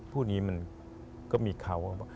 พวกนี้มันก็มีเขา